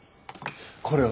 これは。